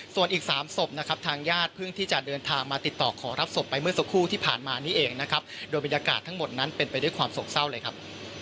ส่วนอีก๓ศพนะครับทางญาติเพิ่งที่จะเดินทางมาติดต่อขอรับศพไปเมื่อสักครู่ที่ผ่านมานี้เองนะครับโดยบรรยากาศทั้งหมดนั้นเป็นไปด้วยความโศกเศร้าเลยครับ